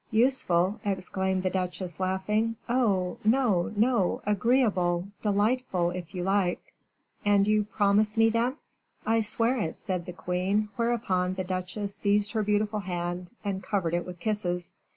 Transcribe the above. "Useful!" exclaimed the duchesse, laughing; "oh, no, no, agreeable delightful, if you like; and you promise me, then?" "I swear it," said the queen, whereupon the duchesse seized her beautiful hand, and covered it with kisses.